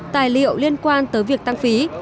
tài liệu liên quan tới việc tăng phí